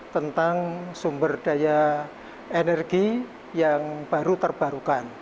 tentang sumber daya energi yang baru terbarukan